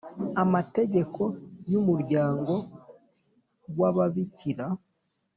amategeko y umuryango w Ababikira